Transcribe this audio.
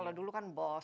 kalau dulu kan bos